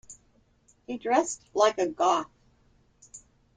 He dressed like a Goth.